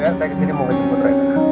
lu yang saya kesini mau ngejemput rena